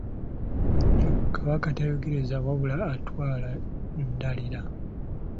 Kabaka tayogereza wabula atwala ndaalira.